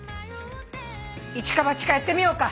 いちかばちかやってみようか。